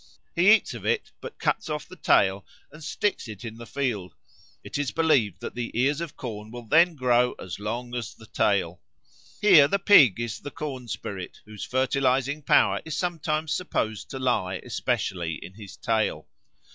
He eats of it, but cuts off the tail and sticks it in the field; it is believed that the ears of corn will then grow as long as the tail. Here the pig is the corn spirit, whose fertilising power is sometimes supposed to lie especially in his tail.